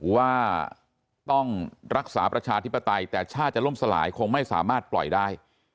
ว่าต้องรักษาประชาธิปไตยแต่ชาติจะล่มสลายคงไม่สามารถปล่อยได้